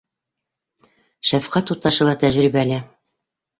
Шәфҡәт туташы ла тәжрибәле.